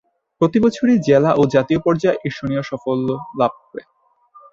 প্রতিবছরই জেলা ও জাতীয় পর্যায়ে ঈর্ষণীয় সাফল্য লাভ করে।